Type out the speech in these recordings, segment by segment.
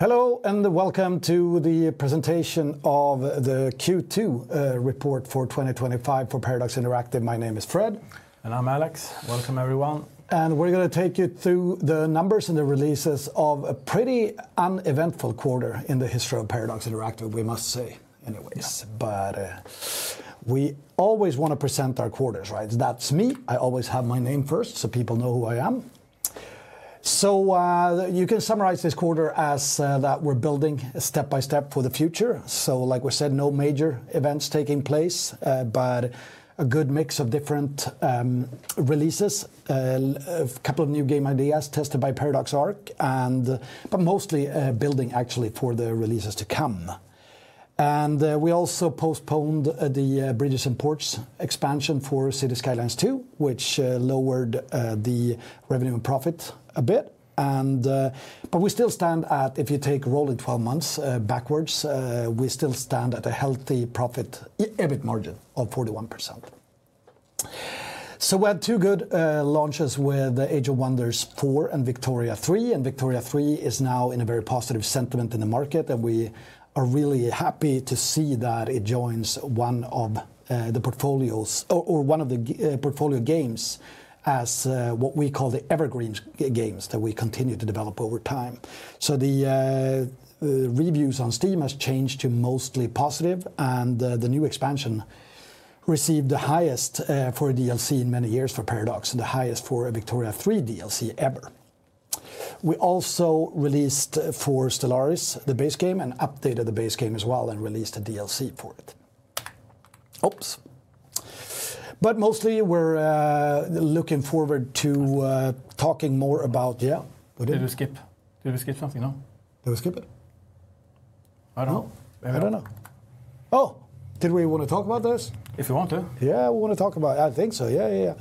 Hello and welcome to the presentation of the Q2 report for 2025 for Paradox Interactive. My name is Fred. I'm Alex. Welcome everyone. We're going to take you through the numbers and the releases of a pretty uneventful quarter in the history of Paradox Interactive, we must say. Anyways, we always want to present our quarters, right? That's me. I always have my name first so people know who I am. You can summarize this quarter as that we're building step by step for the future. Like we said, no major events taking place, but a good mix of different releases, a couple of new game ideas tested by Paradox Arc, but mostly building actually for the releases to come. We also postponed the Bridges and Ports expansion for Cities: Skylines II, which lowered the revenue and profit a bit. We still stand at, if you take rolling 12 months backwards, we still stand at a healthy profit EBIT margin of 41%. We had two good launches with Age of Wonders 4 and Victoria 3. Victoria 3 is now in a very positive sentiment in the market. We are really happy to see that it joins one of the portfolio games as what we call the evergreen games that we continue to develop over time. The reviews on Steam have changed to mostly positive. The new expansion received the highest for a DLC in many years for Paradox and the highest for a Victoria 3 DLC ever. We also released for Stellaris the base game and updated the base game as well and released a DLC for it. Mostly we're looking forward to talking more about, yeah? Did we skip something? Did we skip it? I don't know. Maybe. I don't know. Did we want to talk about this? If you want to. Yeah, we want to talk about it. I think so. Yeah, yeah,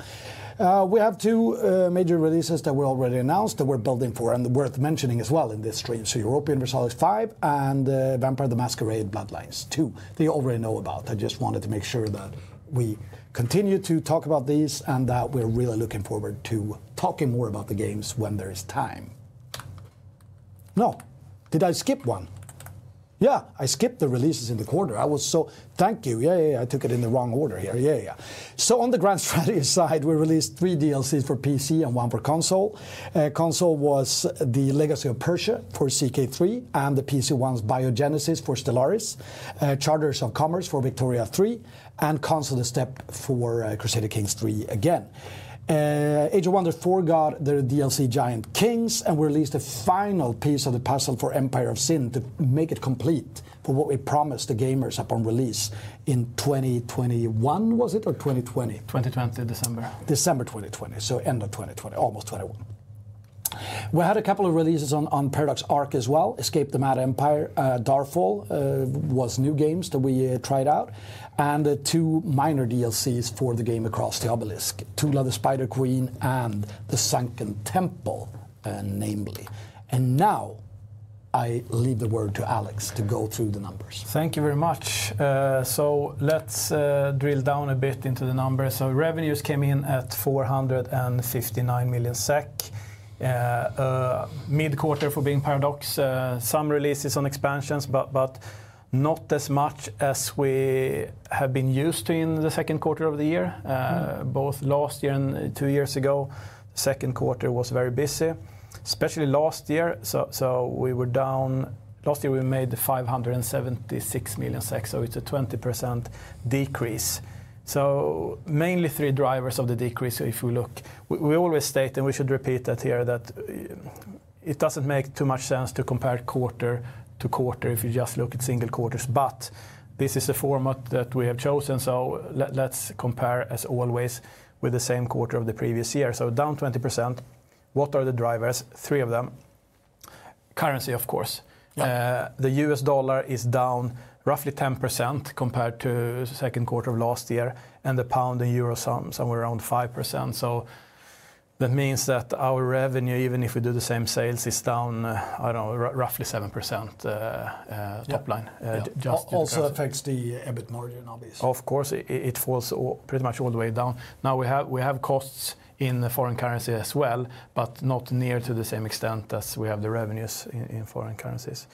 yeah. We have two major releases that were already announced that we're building for and worth mentioning as well in this stream. So Europa Universalis V and Vampire: The Masquerade – Bloodlines 2. They already know about. I just wanted to make sure that we continue to talk about these and that we're really looking forward to talking more about the games when there is time. Did I skip one? I skipped the releases in the quarter. Thank you. Yeah, yeah, yeah. I took it in the wrong order here. Yeah, yeah, yeah. On the grand strategy side, we released three DLCs for PC and one for console. Console was the Legacy of Persia for Crusader Kings III and the PC ones Biogenesis for Stellaris, Charters of Commerce for Victoria 3, and console The Steppe for Crusader Kings III again. Age of Wonders 4 got the DLC Giant Kings and we released the final piece of the puzzle for Empire of Sin to make it complete for what we promised the gamers upon release in 2021, was it, or 2020? 2020 December. December 2020, so end of 2020, almost 2021. We had a couple of releases on Paradox Arc as well: Escape the Mad Empire and Darfall were new games that we tried out, and the two minor DLCs for the game Across the Obelisk, Two Lovers: Spider Queen and The Sunken Temple, namely. Now I leave the word to Alex to go through the numbers. Thank you very much. Let's drill down a bit into the numbers. Revenues came in at 469 million SEK mid-quarter for being Paradox. Some releases on expansions, but not as much as we have been used to in the second quarter of the year. Both last year and two years ago, the second quarter was very busy, especially last year. We were down. Last year we made 576 million. It's a 20% decrease. Mainly three drivers of the decrease. If we look, we always state and we should repeat that here that it doesn't make too much sense to compare quarter to quarter if you just look at single quarters. This is the format that we have chosen. Let's compare as always with the same quarter of the previous year. Down 20%. What are the drivers? Three of them. Currency, of course. The U.S. dollar is down roughly 10% compared to the second quarter of last year. The pound and euro sum somewhere around 5%. That means that our revenue, even if we do the same sales, is down, I don't know, roughly 7% top line. Also affects the EBIT margin, obviously. Of course, it falls pretty much all the way down. Now we have costs in foreign currency as well, but not near to the same extent as we have the revenues in foreign currencies.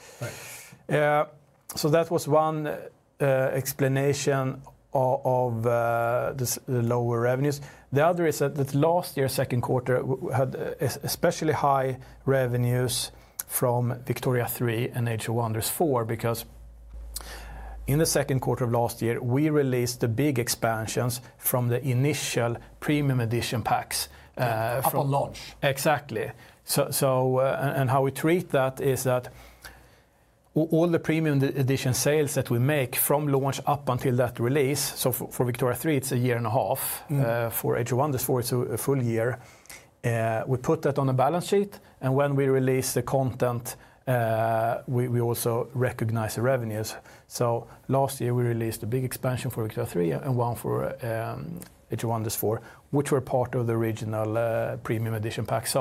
That was one explanation of the lower revenues. The other is that last year's second quarter had especially high revenues from Victoria 3 and Age of Wonders 4 because in the second quarter of last year, we released the big expansions from the initial premium edition packs. Up on launch. Exactly. How we treat that is that all the premium edition sales that we make from launch up until that release, for Victoria 3, it's a year and a half. For Age of Wonders 4, it's a full year. We put that on a balance sheet. When we release the content, we also recognize the revenues. Last year we released a big expansion for Victoria 3 and one for Age of Wonders 4, which were part of the original premium edition packs.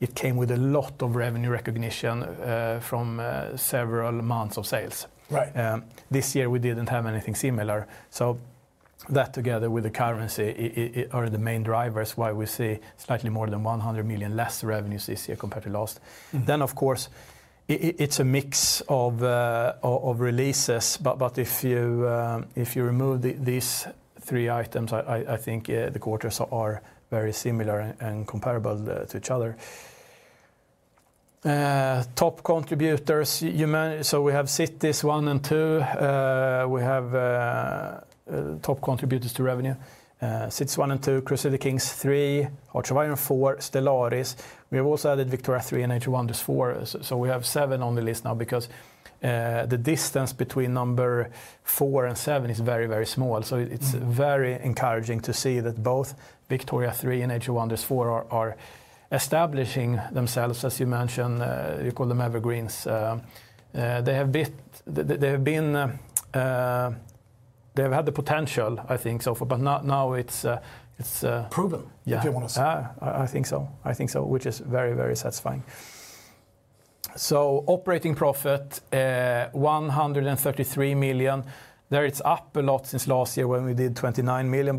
It came with a lot of revenue recognition from several months of sales. Right. This year we didn't have anything similar. That, together with the currency, are the main drivers why we see slightly more than 100 million less revenues this year compared to last. Of course, it's a mix of releases. If you remove these three items, I think the quarters are very similar and comparable to each other. Top contributors, we have Cities: Skylines and Cities: Skylines II. We have top contributors to revenue: Cities: Skylines, Cities: Skylines II, Crusader Kings III, Age of Wonders 4, Stellaris. We have also added Victoria 3 and Age of Wonders 4. We have seven on the list now because the distance between number four and seven is very, very small. It's very encouraging to see that both Victoria 3 and Age of Wonders 4 are establishing themselves, as you mentioned. You call them evergreens. They have been, they've had the potential, I think, so far. Now it's. Proven. Yeah. If you want to say. I think so. I think so, which is very, very satisfying. Operating profit, 133 million. It's up a lot since last year when we did 29 million.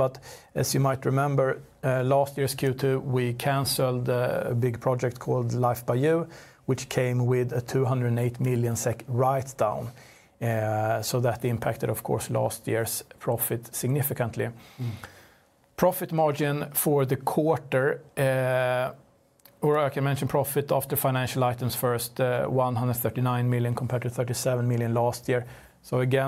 As you might remember, last year's Q2, we canceled a big project called Life by You, which came with a 208 million SEK write-down. That impacted, of course, last year's profit significantly. Profit margin for the quarter, or I can mention profit after financial items first, 139 million compared to 37 million last year.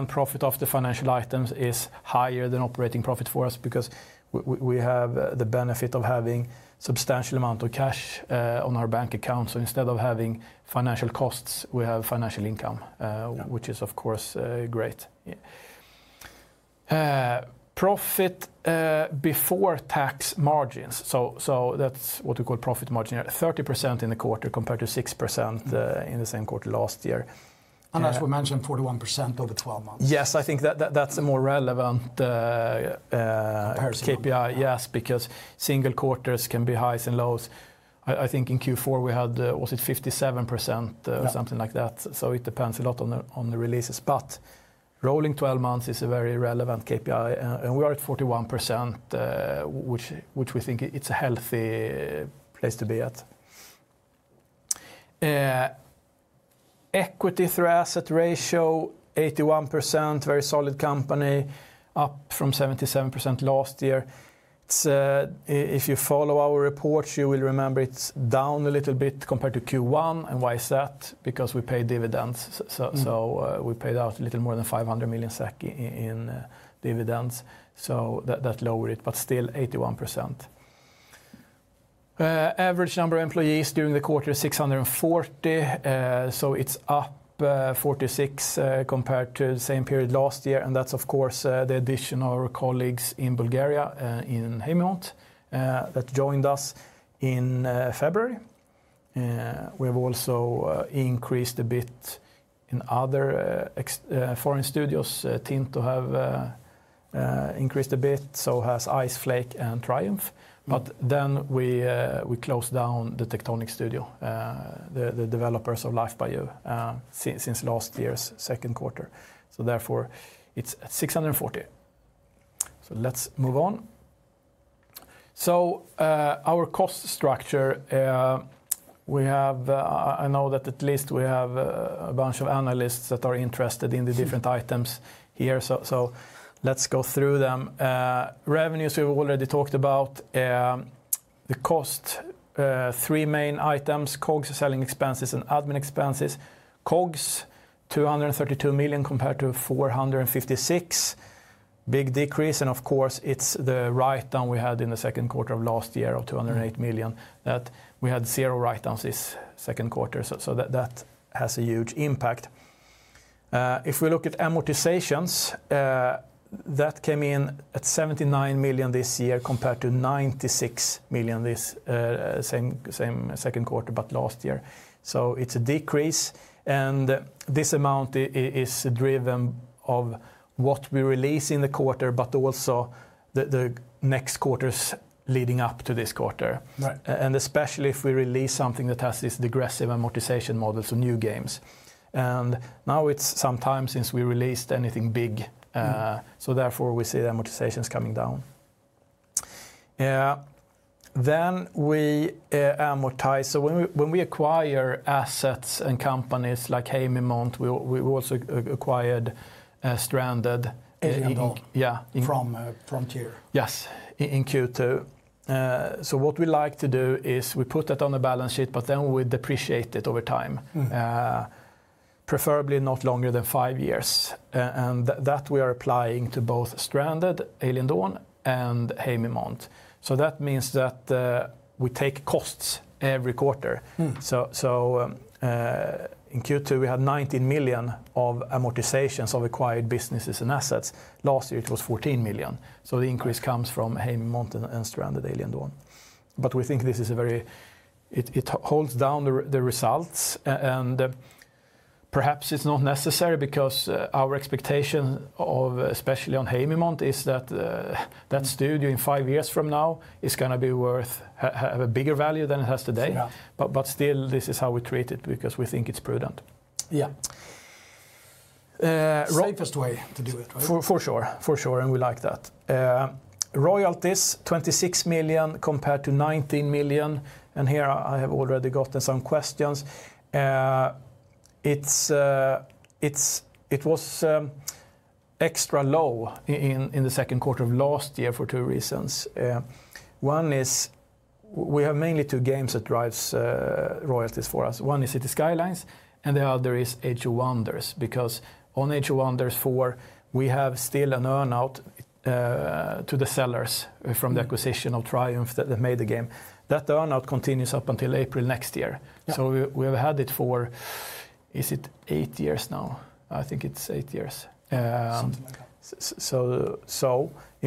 Profit after financial items is higher than operating profit for us because we have the benefit of having a substantial amount of cash on our bank account. Instead of having financial costs, we have financial income, which is, of course, great. Profit before tax margins, that's what we call profit margin, 30% in the quarter compared to 6% in the same quarter last year. As we mentioned, 41% over 12 months. Yes, I think that's a more relevant KPI. Yes. Because single quarters can be highs and lows. I think in Q4 we had, was it 57% or something like that? It depends a lot on the releases. Rolling 12 months is a very relevant KPI, and we are at 41%, which we think is a healthy place to be at. Equity-to-asset ratio, 81%, very solid company, up from 77% last year. If you follow our reports, you will remember it's down a little bit compared to Q1. Why is that? We pay dividends. We paid out a little more than 500 million SEK in dividends. That lowered it, but still 81%. Average number of employees during the quarter is 640, up 46% compared to the same period last year. That's, of course, the addition of our colleagues in Bulgaria, in Haemimont Games, that joined us in February. We've also increased a bit in other foreign studios. Tinto have increased a bit, so has Iceflake and Triumph. We closed down the Tectonic Studio, the developers of Life by You, since last year's second quarter. Therefore, it's 640. Let's move on. Our cost structure, I know that at least we have a bunch of analysts that are interested in the different items here. Let's go through them. Revenues, we've already talked about. The cost, three main items: COGS, selling expenses, and admin expenses. COGS, 232 million compared to 456 million. Big decrease. It's the write-down we had in the second quarter of last year of 208 million that we had zero write-downs this second quarter. That has a huge impact. If we look at amortizations, that came in at 79 million this year compared to 96 million this same second quarter last year. It's a decrease. This amount is driven by what we release in the quarter, but also the next quarters leading up to this quarter, especially if we release something that has this degressive amortization model, so new games. Now it's some time since we released anything big, so we see the amortizations coming down. We amortize. When we acquire assets and companies like Haemimont Games, we also acquired Stranded. Yeah, from Paradox Interactive. Yes, in Q2. What we like to do is we put that on the balance sheet, but then we depreciate it over time, preferably not longer than five years. That we are applying to both Stranded: Alien Dawn and Haemimont Games. That means that we take costs every quarter. In Q2, we had 19 million of amortizations of acquired businesses and assets. Last year, it was 14 million. The increase comes from Haemimont Games and Stranded: Alien Dawn. We think this is a very, it holds down the results. Perhaps it's not necessary because our expectation of, especially on Haemimont Games, is that that studio in five years from now is going to be worth a bigger value than it has today. Still, this is how we create it because we think it's prudent. Yeah. The fastest way to do it. For sure. For sure. And we like that. Royalties, 26 million compared to 19 million. Here I have already gotten some questions. It was extra low in the second quarter of last year for two reasons. One is we have mainly two games that drive royalties for us. One is Cities: Skylines and the other is Age of Wonders. Because on Age of Wonders 4, we have still an earnout to the sellers from the acquisition of Triumph that made the game. That earnout continues up until April next year. We have had it for, is it eight years now? I think it's eight years. It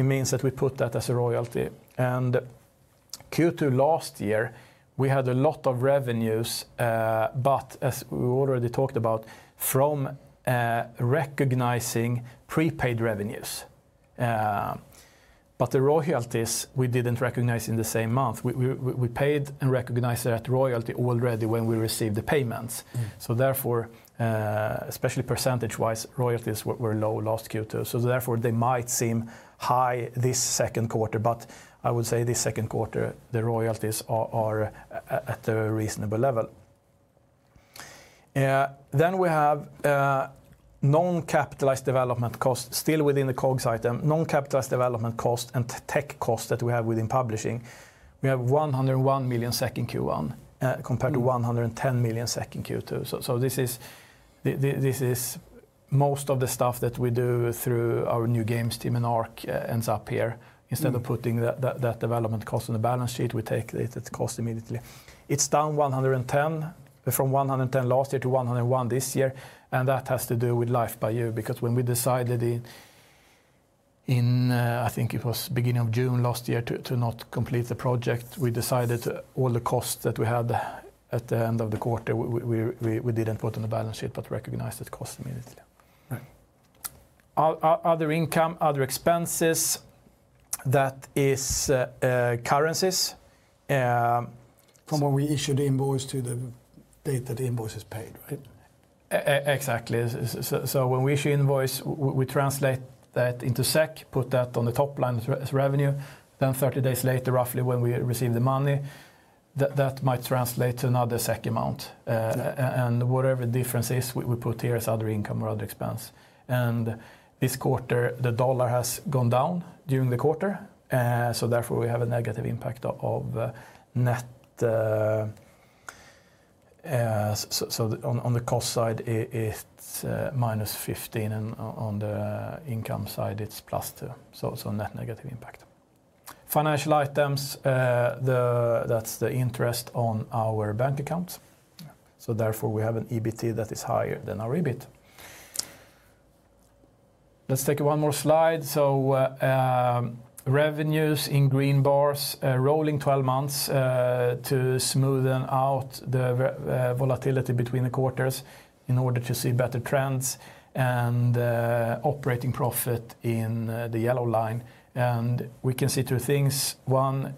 means that we put that as a royalty. In Q2 last year, we had a lot of revenues, but as we already talked about, from recognizing prepaid revenues. The royalties, we didn't recognize in the same month. We paid and recognized that royalty already when we received the payments. Therefore, especially percentage-wise, royalties were low last Q2. They might seem high this second quarter. I would say this second quarter, the royalties are at a reasonable level. We have non-capitalized development costs, still within the COGS item, non-capitalized development costs and tech costs that we have within publishing. We have 101 million SEK second Q1 compared to 110 million SEK second Q2. Most of the stuff that we do through our new games team in Paradox Arc ends up here. Instead of putting that development cost on the balance sheet, we take the cost immediately. It's down from 110 million last year to 101 million this year. That has to do with Life by You because when we decided in, I think it was the beginning of June last year, to not complete the project, we decided all the costs that we had at the end of the quarter, we didn't put on the balance sheet, but recognized it costs immediately. Other income, other expenses, that is currencies. From when we issue the invoice to the date that the invoice is paid, right? Exactly. When we issue invoice, we translate that into SEK, put that on the top line as revenue. Then 30 days later, roughly when we receive the money, that might translate to another SEK amount. Whatever the difference is, we put here as other income or other expense. This quarter, the dollar has gone down during the quarter. Therefore, we have a negative impact of net. On the cost side, it's -15. On the income side, it's +2. Net negative impact. Financial items, that's the interest on our bank accounts. Therefore, we have an EBT that is higher than our EBIT. Let's take one more slide. Revenues in green bars, rolling 12 months to smoothen out the volatility between the quarters in order to see better trends, and operating profit in the yellow line. We can see two things. One,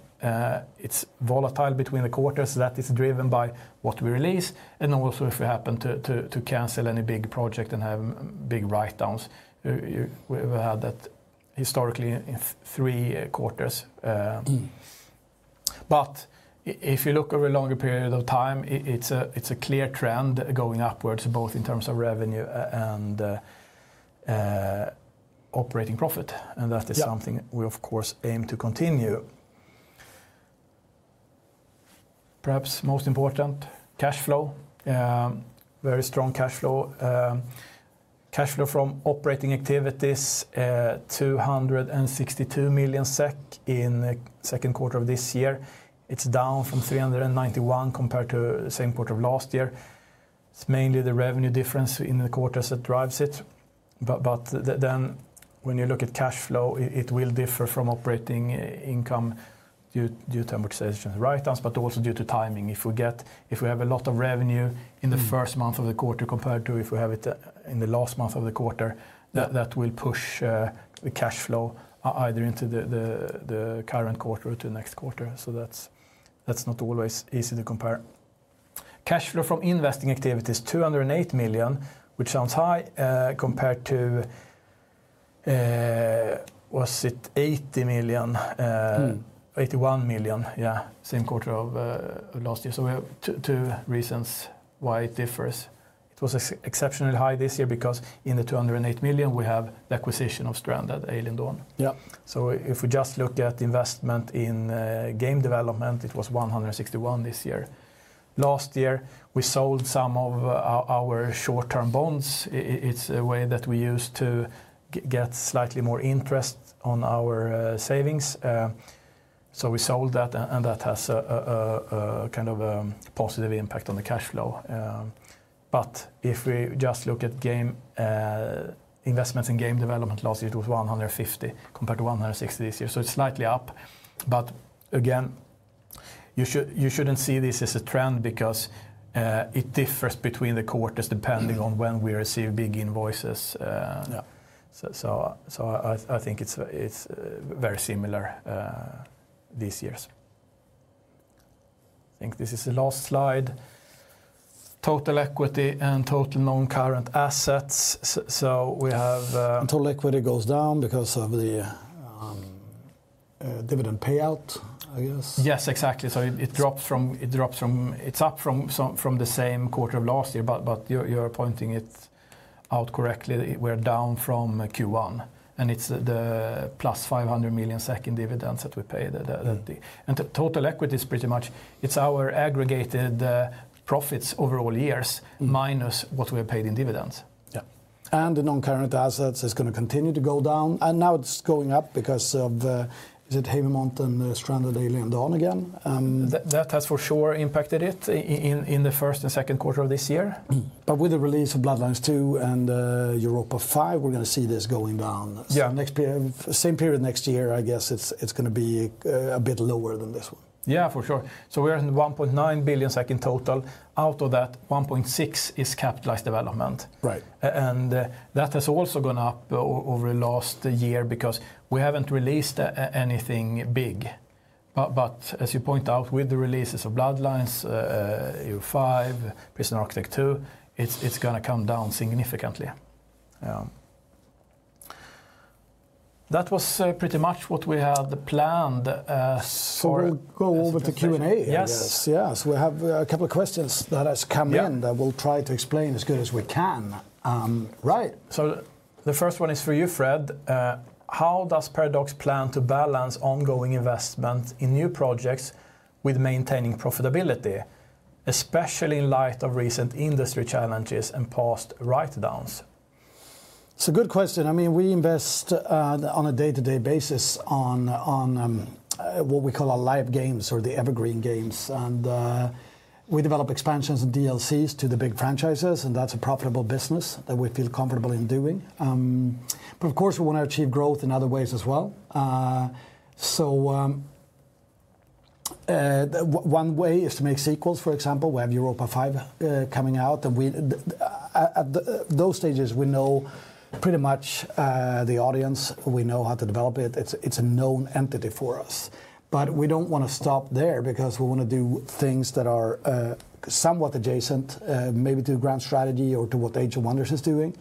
it's volatile between the quarters. That is driven by what we release. Also, if we happen to cancel any big project and have big write-downs, we've had that historically in three quarters. If you look over a longer period of time, it's a clear trend going upwards, both in terms of revenue and operating profit. That is something we, of course, aim to continue. Perhaps most important, cash flow, very strong cash flow. Cash flow from operating activities, 262 million SEK in the second quarter of this year. It's down from 391 million compared to the same quarter of last year. It's mainly the revenue difference in the quarters that drives it. When you look at cash flow, it will differ from operating income due to amortization of the write-downs, but also due to timing. If we have a lot of revenue in the first month of the quarter compared to if we have it in the last month of the quarter, that will push the cash flow either into the current quarter or to the next quarter. That's not always easy to compare. Cash flow from investing activities, 208 million, which sounds high compared to, was it 80 million, 81 million, yeah, same quarter of last year. We have two reasons why it differs. It was exceptionally high this year because in the 208 million, we have the acquisition of Stranded: Alien Dawn. Yeah. If we just look at investment in game development, it was 161 million this year. Last year, we sold some of our short-term bonds. It's a way that we use to get slightly more interest on our savings. We sold that, and that has a kind of a positive impact on the cash flow. If we just look at investments in game development, last year it was 150 million compared to 161 million this year. It's slightly up. You shouldn't see this as a trend because it differs between the quarters depending on when we receive big invoices. Yeah. I think it's very similar these years. I think this is the last slide. Total equity and total non-current assets. We have. Total equity goes down because of the dividend payout, I guess. Yes, exactly. It drops from, it's up from the same quarter of last year, but you're pointing it out correctly. We're down from Q1. It's the +500 million second dividends that we paid. Total equity is pretty much, it's our aggregated profits over all years minus what we have paid in dividends. Yeah. The non-current assets is going to continue to go down. Now it's going up because of the, is it Haemimont Games and Stranded: Alien Dawn again? That has for sure impacted it in the first and second quarter of this year. of Vampire: The Masquerade – Bloodlines 2 and Europa Universalis V, we're going to see this going down. Yeah, next year. Same period next year, I guess it's going to be a bit lower than this one. Yeah, for sure. We're in 1.9 billion SEK second total. Out of that, 1.6 billion is capitalized development. Right. That has also gone up over the last year because we haven't released anything big. As you point out, with the releases of Vampire: The Masquerade – Bloodlines 2, Europa Universalis V, Prison Architect 2, it's going to come down significantly. Yeah. That was pretty much what we had planned. We will go over to Q&A. Yes. Yes, we have a couple of questions that have come in that we'll try to explain as good as we can. Right. The first one is for you, Fred. How does Paradox plan to balance ongoing investment in new projects with maintaining profitability, especially in light of recent industry challenges and past write-downs? It's a good question. I mean, we invest on a day-to-day basis on what we call our live games or the evergreen games. We develop expansions and DLCs to the big franchises, and that's a profitable business that we feel comfortable in doing. Of course, we want to achieve growth in other ways as well. One way is to make sequels, for example. We have Europa Universalis V coming out. At those stages, we know pretty much the audience. We know how to develop it. It's a known entity for us. We don't want to stop there because we want to do things that are somewhat adjacent, maybe to Grand Strategy or to what Age of Wonders is doing.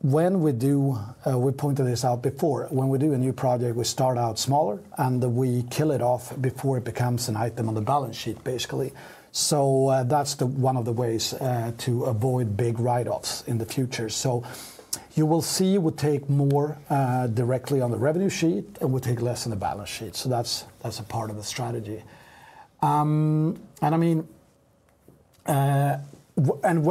When we do, we pointed this out before, when we do a new project, we start out smaller and we kill it off before it becomes an item on the balance sheet, basically. That's one of the ways to avoid big write-offs in the future. You will see we take more directly on the revenue sheet and we take less on the balance sheet. That's a part of the strategy. When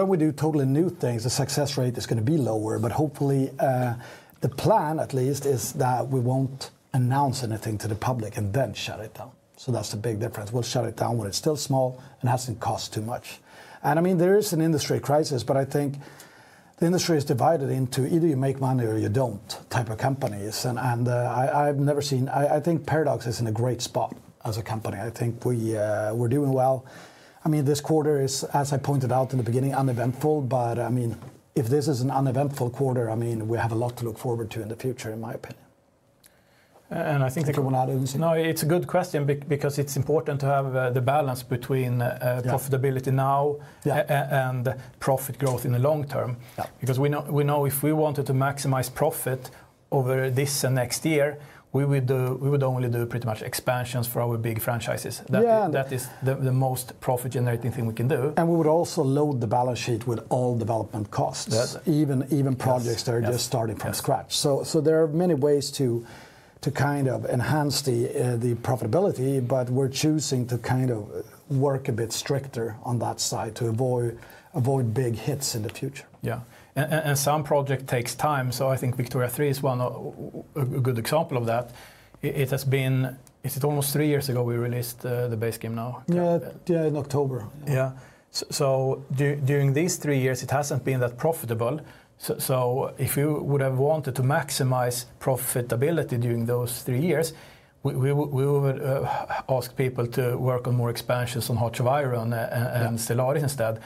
we do totally new things, the success rate is going to be lower. Hopefully, the plan at least is that we won't announce anything to the public and then shut it down. That's the big difference. We'll shut it down when it's still small and hasn't cost too much. There is an industry crisis, but I think the industry is divided into either you make money or you don't type of companies. I've never seen, I think Paradox Interactive is in a great spot as a company. I think we're doing well. This quarter is, as I pointed out in the beginning, uneventful. If this is an uneventful quarter, I mean, we have a lot to look forward to in the future, in my opinion. I think they can win out of this. It's a good question because it's important to have the balance between profitability now and profit growth in the long term. We know if we wanted to maximize profit over this and next year, we would only do pretty much expansions for our big franchises. That is the most profit-generating thing we can do. We would also load the balance sheet with all development costs, even projects that are just started from scratch. There are many ways to kind of enhance the profitability, but we're choosing to kind of work a bit stricter on that side to avoid big hits in the future. Yeah. Some projects take time. I think Victoria 3 is one good example of that. It has been, is it almost three years ago we released the base game now? Yeah, in October. During these three years, it hasn't been that profitable. If we would have wanted to maximize profitability during those three years, we would ask people to work on more expansions on Crusader Kings III and Stellaris instead.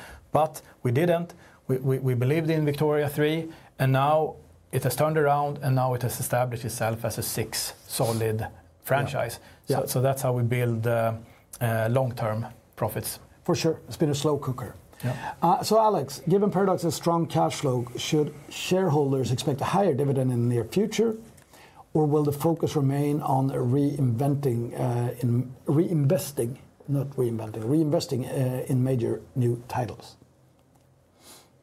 We didn't. We believed in Victoria 3, and now it has turned around and now it has established itself as a solid franchise. That's how we build long-term profits. For sure, it's been a slow cooker. Yeah. Alex, given Paradox's strong cash flow, should shareholders expect a higher dividend in the near future, or will the focus remain on reinvesting in major new titles?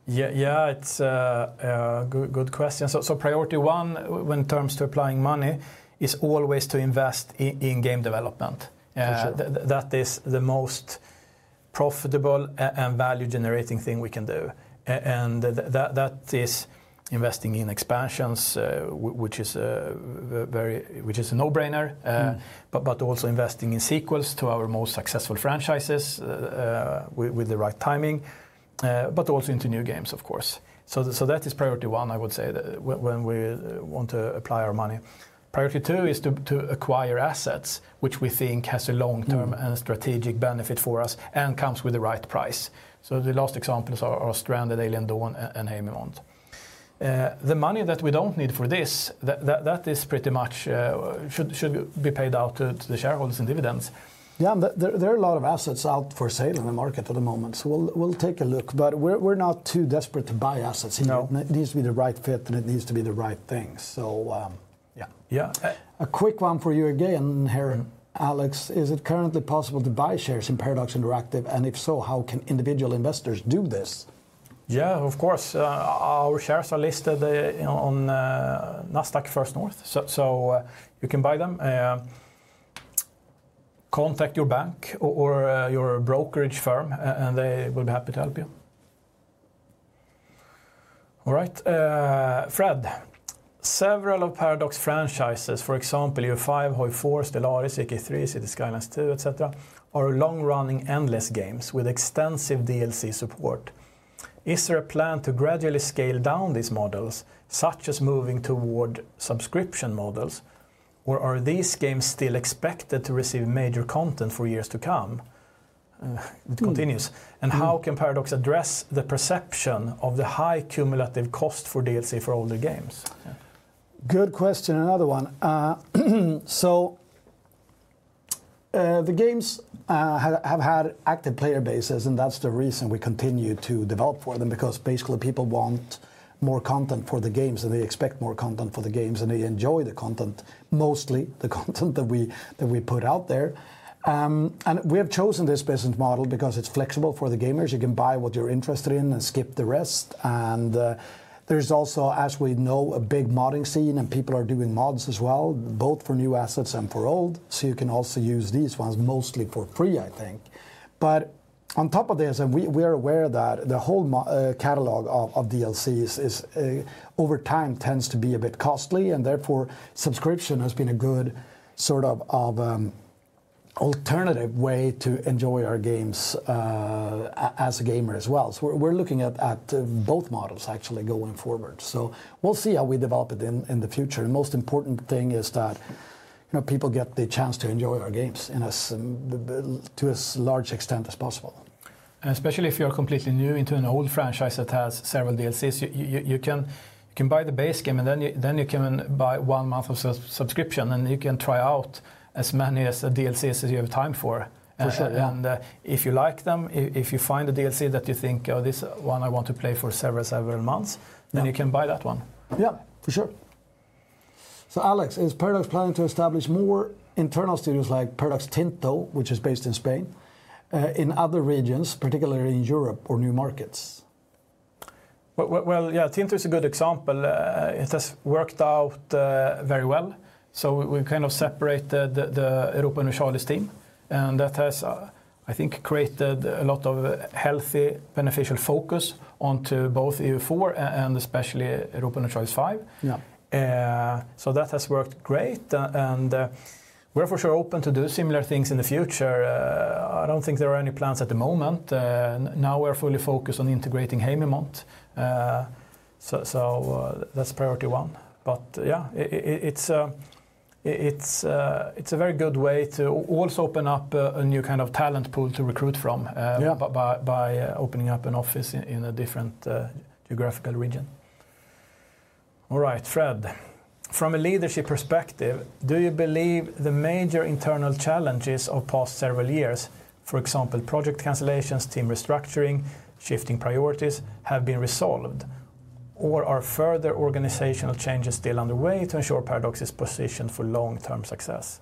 Yeah, it's a good question. Priority one when it comes to applying money is always to invest in game development. That is the most profitable and value-generating thing we can do. That is investing in expansions, which is a no-brainer, but also investing in sequels to our most successful franchises with the right timing, but also into new games, of course. That is priority one, I would say, when we want to apply our money. Priority two is to acquire assets, which we think has a long-term and strategic benefit for us and comes with the right price. The last examples are Stranded: Alien Dawn and Haemimont Games. The money that we don't need for this, that is pretty much should be paid out to the shareholders in dividends. Yeah, there are a lot of assets out for sale in the market at the moment. We'll take a look, but we're not too desperate to buy assets. No. It needs to be the right fit, and it needs to be the right thing. Yeah. Yeah. A quick one for you again here, Alex. Is it currently possible to buy shares in Paradox Interactive? If so, how can individual investors do this? Yeah, of course. Our shares are listed on NASDAQ First North. You can buy them. Contact your bank or your brokerage firm and they will be happy to help you. All right. Fred. Several of Paradox franchises, for example, Europa Universalis V, Hearts of Iron IV, Stellaris, Crusader Kings III, Cities: Skylines II, etc., are long-running endless games with extensive DLC support. Is there a plan to gradually scale down these models, such as moving toward subscription models? Are these games still expected to receive major content for years to come? How can Paradox address the perception of the high cumulative cost for DLC for older games? Good question. Another one. The games have had active player bases and that's the reason we continue to develop for them because basically people want more content for the games. They expect more content for the games and they enjoy the content, mostly the content that we put out there. We have chosen this business model because it's flexible for the gamers. You can buy what you're interested in and skip the rest. There is also, as we know, a big modding scene and people are doing mods as well, both for new assets and for old. You can also use these ones mostly for free, I think. On top of this, we are aware that the whole catalog of DLCs over time tends to be a bit costly and therefore subscription has been a good sort of alternative way to enjoy our games as a gamer as well. We are looking at both models actually going forward. We will see how we develop it in the future. The most important thing is that people get the chance to enjoy our games to as large extent as possible. If you're completely new into an old franchise that has several DLCs, you can buy the base game, and then you can buy one month of subscription. You can try out as many DLCs as you have time for. For sure. If you like them, if you find a DLC that you think, oh, this one I want to play for several, several months, you can buy that one. Yeah, for sure. Alex, is Paradox planning to establish more internal studios like Paradox Tinto, which is based in Spain, in other regions, particularly in Europe or new markets? Tinto is a good example. It has worked out very well. We kind of separated the Europa Universalis team and that has, I think, created a lot of healthy, beneficial focus onto both EU4 and especially Europa Universalis V. Yeah. That has worked great, and we're for sure open to do similar things in the future. I don't think there are any plans at the moment. Now we're fully focused on integrating Haemimont Games. That's priority one. Yeah, it's a very good way to also open up a new kind of talent pool to recruit from by opening up an office in a different geographical region. All right, Fred. From a leadership perspective, do you believe the major internal challenges of past several years, for example, project cancellations, team restructuring, shifting priorities, have been resolved? Or are further organizational changes still underway to ensure Paradox Interactive's position for long-term success?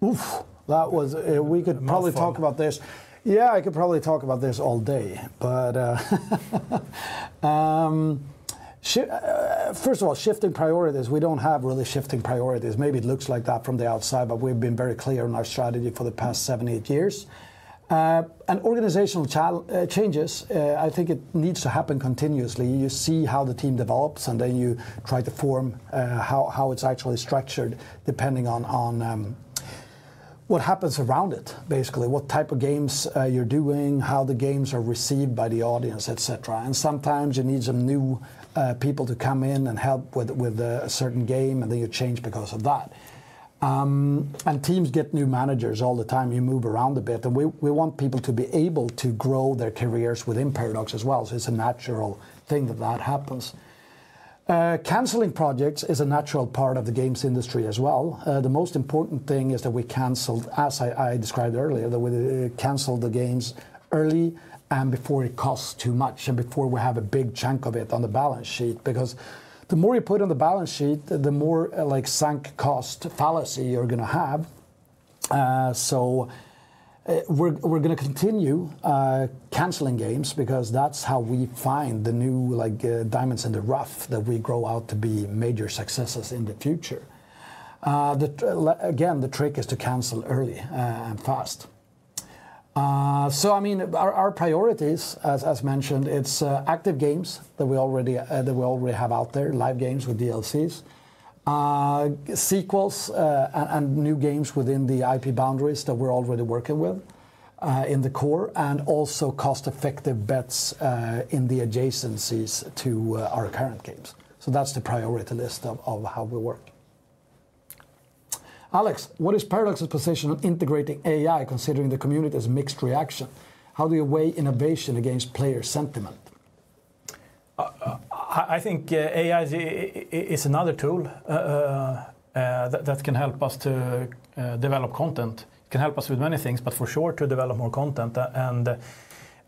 That was, we could probably talk about this. Yeah, I could probably talk about this all day. First of all, shifting priorities, we don't have really shifting priorities. Maybe it looks like that from the outside, but we've been very clear in our strategy for the past seven, eight years. Organizational changes, I think it needs to happen continuously. You see how the team develops and then you try to form how it's actually structured depending on what happens around it, basically. What type of games you're doing, how the games are received by the audience, et cetera. Sometimes you need some new people to come in and help with a certain game and then you change because of that. Teams get new managers all the time. You move around a bit. We want people to be able to grow their careers within Paradox Interactive as well. It's a natural thing that that happens. Canceling projects is a natural part of the games industry as well. The most important thing is that we canceled, as I described earlier, that we canceled the games early and before it costs too much and before we have a big chunk of it on the balance sheet. The more you put on the balance sheet, the more like sunk cost fallacy you're going to have. We're going to continue canceling games because that's how we find the new diamonds in the rough that we grow out to be major successes in the future. The trick is to cancel early and fast. Our priorities, as mentioned, it's active games that we already have out there, live games with DLCs, sequels, and new games within the IP boundaries that we're already working with in the core, and also cost-effective bets in the adjacencies to our current games. That's the priority list of how we work. Alex, what is Paradox's position on integrating AI considering the community's mixed reaction? How do you weigh innovation against player sentiment? I think AI is another tool that can help us to develop content. It can help us with many things, for sure to develop more content.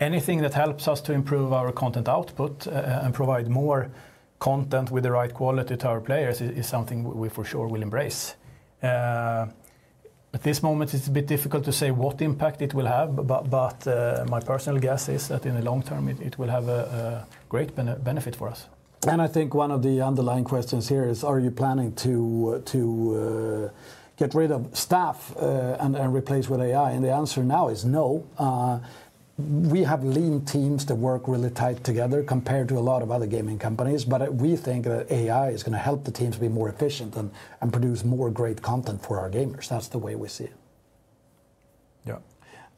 Anything that helps us to improve our content output and provide more content with the right quality to our players is something we for sure will embrace. At this moment, it's a bit difficult to say what impact it will have, but my personal guess is that in the long term, it will have a great benefit for us. I think one of the underlying questions here is, are you planning to get rid of staff and replace with AI? The answer now is no. We have lean teams that work really tight together compared to a lot of other gaming companies, but we think that AI is going to help the teams be more efficient and produce more great content for our gamers. That's the way we see it. Yeah.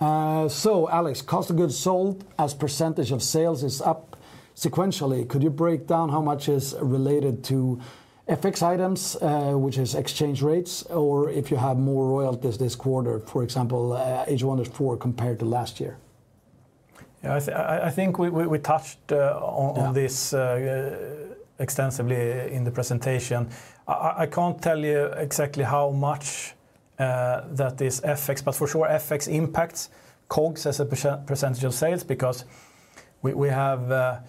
Alex, cost of goods sold as percentage of sales is up sequentially. Could you break down how much is related to FX items, which is exchange rates, or if you have more royalties this quarter, for example, Age of Wonders 4 compared to last year? Yeah, I think we touched on this extensively in the presentation. I can't tell you exactly how much that is FX, but for sure FX impacts COGS as a percentage of sales because we have, I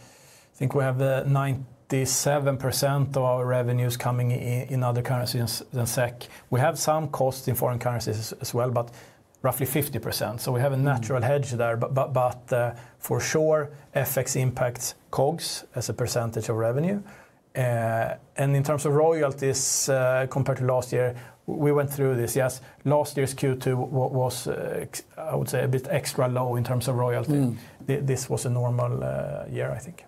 think we have 97% of our revenues coming in other currencies than SEK. We have some costs in foreign currencies as well, but roughly 50%. We have a natural hedge there. For sure, FX impacts COGS as a percentage of revenue. In terms of royalties compared to last year, we went through this. Last year's Q2 was, I would say, a bit extra low in terms of royalty. This was a normal year, I think.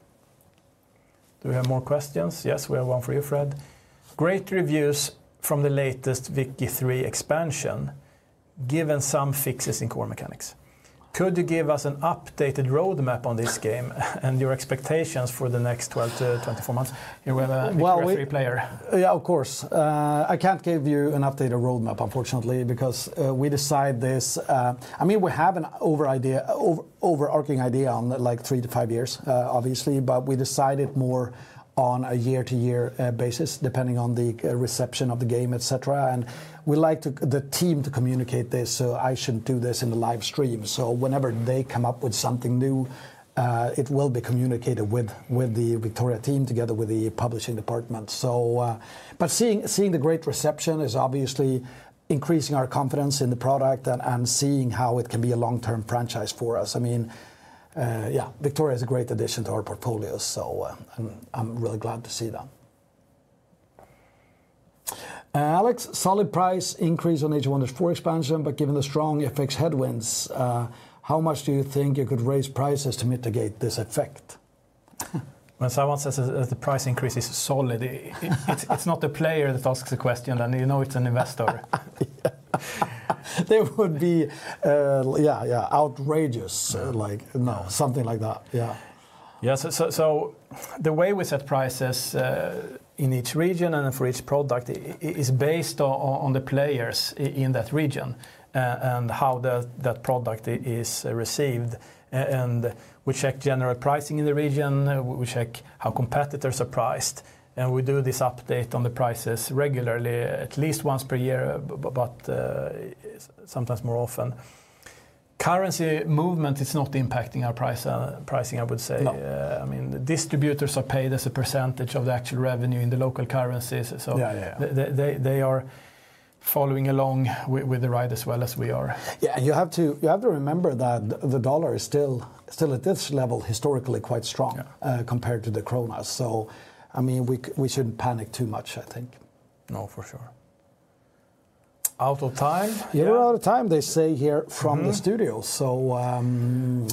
Do we have more questions? Yes, we have one for you, Fred. Great reviews from the latest Victoria 3 expansion, given some fixes in core mechanics. Could you give us an updated roadmap on this game and your expectations for the next 12-24 months? Of course, I can't give you an updated roadmap, unfortunately, because we decide this. I mean, we have an overarching idea on like three to five years, obviously, but we decide it more on a year-to-year basis, depending on the reception of the game, et cetera. We like the team to communicate this, so I shouldn't do this in the live stream. Whenever they come up with something new, it will be communicated with the Victoria team together with the publishing department. Seeing the great reception is obviously increasing our confidence in the product and seeing how it can be a long-term franchise for us. I mean, Victoria is a great addition to our portfolio, so I'm really glad to see that. Alex, solid price increase on Age of Wonders 4 expansion, but given the strong FX headwinds, how much do you think you could raise prices to mitigate this effect? Someone says that the price increase is solid. If it's not a player that asks the question, then you know it's an investor. Yeah, outrageous, like no, something like that. The way we set prices in each region and for each product is based on the players in that region and how that product is received. We check general pricing in the region and how competitors are priced. We do this update on the prices regularly, at least once per year, but sometimes more often. Currency movement is not impacting our pricing, I would say. Distributors are paid as a percentage of the actual revenue in the local currencies, so they are following along with the ride as well as we are. You have to remember that the dollar is still, at this level, historically quite strong compared to the krona. I mean, we shouldn't panic too much, I think. No, for sure. Out of time. Yeah, we're out of time, they say here from the studio.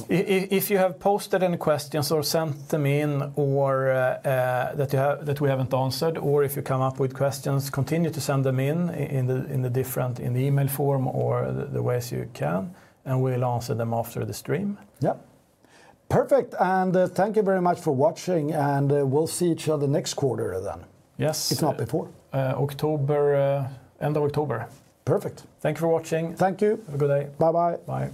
If you have posted any questions or sent them in that we haven't answered, or if you come up with questions, continue to send them in in the different email form or the ways you can, and we'll answer them after the stream. Yeah. Perfect. Thank you very much for watching. We'll see each other next quarter then. Yes. It's not before. October, end of October. Perfect. Thank you for watching. Thank you. Have a good day. Bye-bye. Bye.